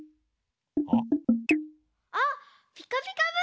あっ「ピカピカブ！」